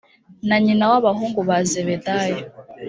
na nyina w abahungu ba zebedayo